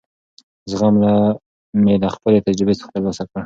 زغم مې له خپلې تجربې څخه ترلاسه کړ.